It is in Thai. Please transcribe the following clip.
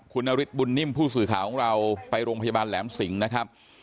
คุณนฤทธบุญนิ่มผู้สื่อข่าวของเราไปโรงพยาบาลแหลมสิงนะครับ